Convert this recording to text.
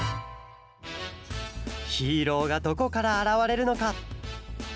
ヒーローがどこからあらわれるのか？